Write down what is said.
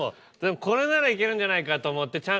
これならいけるんじゃないかと思ってチャンが。